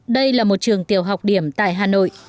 đây là một trường tiểu học điểm tại hà nội